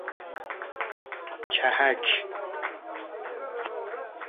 کهک